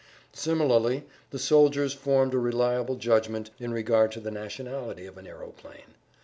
Similarly the soldiers formed a reliable judgment in regard to the nationality of an aeroplane.